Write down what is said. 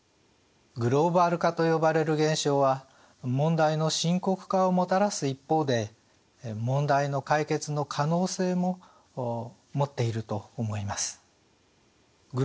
グローバル化と呼ばれる現象は問題の深刻化をもたらす一方で問題の解決の可能性も持っていると思います。